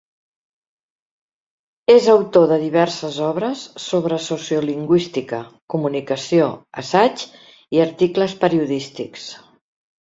És autor de diverses obres sobre sociolingüística, comunicació, assaigs i articles periodístics.